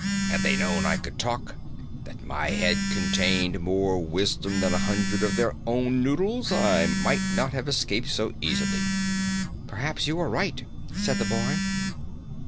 Had they known I could talk, and that my head contained more wisdom than a hundred of their own noddles, I might not have escaped so easily." "Perhaps you are right," said the boy.